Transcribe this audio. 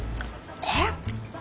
えっ？